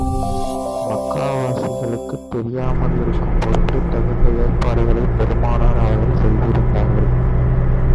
மக்காவாசிகளுக்குத் தெரியாமல் இருக்கும் பொருட்டு, தகுந்த ஏற்பாடுகளைப் பெருமானார் அவர்கள் செய்திருந்தார்கள்.